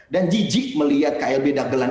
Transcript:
dan jijik melihat klb dagelan